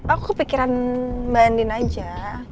aku kepikiran banding aja